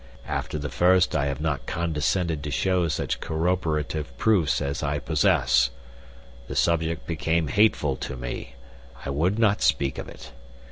After the first I have not condescended to show such corroborative proofs as I possess. The subject became hateful to me I would not speak of it.